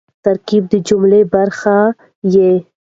ترکیب د جملې برخه يي.